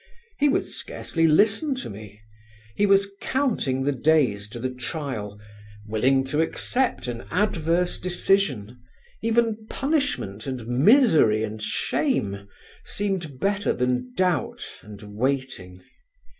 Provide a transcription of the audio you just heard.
He would scarcely listen to me. He was counting the days to the trial: willing to accept an adverse decision; even punishment and misery and shame seemed better than doubt and waiting.